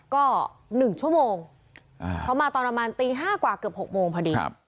ก็๑ชั่วโมงเพราะมาตอนประมาณตี๕กว่าเกือบ๖โมงพอดี